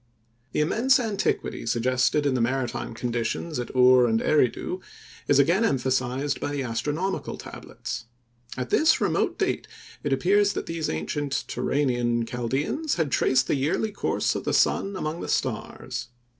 THE immense antiquity suggested in the maritime conditions at Ur and Eridu is again emphasized by the astronomical tablets. At this remote date it appears that these ancient Turanian Chaldeans had traced the yearly course of the sun among the stars.